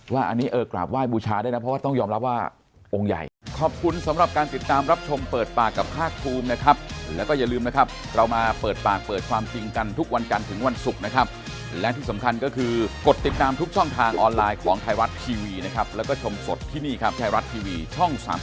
ว่าอันนี้เออกราบไหว้บูชาได้นะเพราะว่าต้องยอมรับว่าองค์ใหญ่